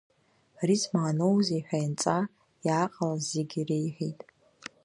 Ари змааноузеи ҳәа ианҵаа, иааҟалаз зегьы реиҳәеит.